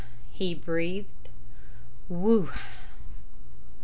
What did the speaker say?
he breathed. "Whew!"